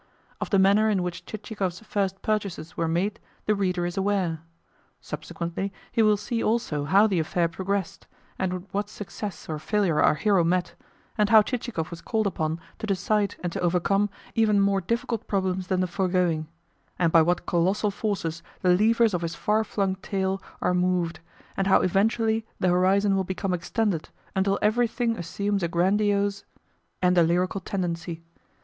Of the manner in which Chichikov's first purchases were made the reader is aware. Subsequently he will see also how the affair progressed, and with what success or failure our hero met, and how Chichikov was called upon to decide and to overcome even more difficult problems than the foregoing, and by what colossal forces the levers of his far flung tale are moved, and how eventually the horizon will become extended until everything assumes a grandiose and a lyrical tendency.